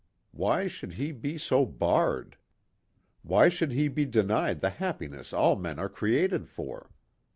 Why should he be so barred? Why should he be denied the happiness all men are created for?